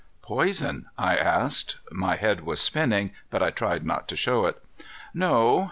"Poison?" I asked. My head was spinning, but I tried not to show it. "No."